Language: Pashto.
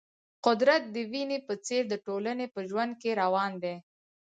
قدرت د وینې په څېر د ټولنې په ژوند کې روان دی.